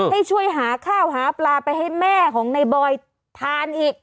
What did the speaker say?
ให้ช่วยหาข้าวหาปลาไปให้แม่ของในบอยทานอีก